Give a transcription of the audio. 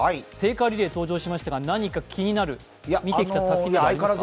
聖火リレー登場しましたが何か気になる、見てきた作品ありますか。